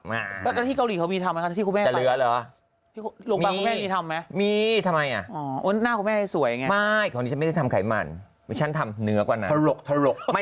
แล้วที่เกาหลีเค้ามีทำไหมครับที่คุณแม่ไป